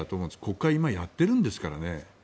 国会、今やってるんですからね。